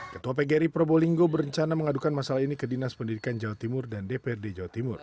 ketua pgri probolinggo berencana mengadukan masalah ini ke dinas pendidikan jawa timur dan dprd jawa timur